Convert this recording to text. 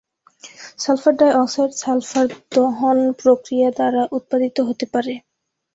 Sulphur dioxide sulphur দহন প্রক্রিয়া দ্বারা উৎপাদিত হতে পারে।